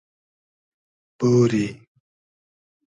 بۉری